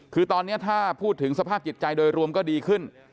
คือตอนนี้ถ้าพูดถึงสภาพจิตใจโดยรวมก็ดีขึ้น